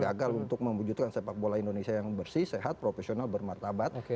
gagal untuk mewujudkan sepak bola indonesia yang bersih sehat profesional bermartabat